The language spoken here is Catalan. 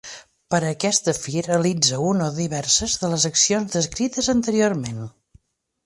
Per a aquesta fi realitza una o diverses de les accions descrites anteriorment.